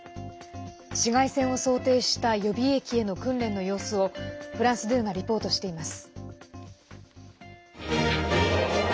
市街戦を想定した予備役への訓練の様子をフランス２がリポートしています。